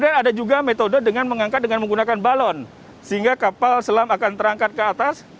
kemudian ada juga metode dengan mengangkat dengan menggunakan balon sehingga kapal selam akan terangkat ke atas